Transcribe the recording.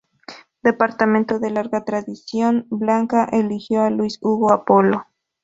Departamento de larga tradición blanca, eligió a Luis Hugo Apolo.